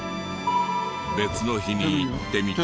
別の日に行ってみても。